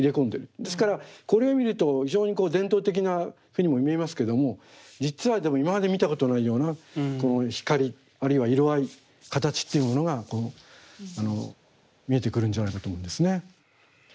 ですからこれを見ると非常にこう伝統的なふうにも見えますけども実はでも今まで見たことないような光あるいは色合い形というものが見えてくるんじゃないかと思うんですね。